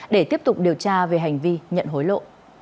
để tiếp tục điều tra về hành vi nhận hối lộ